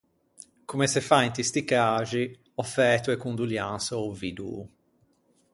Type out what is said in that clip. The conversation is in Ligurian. Comme se fa inte sti caxi, ò fæto e condolianse a-o vidoo.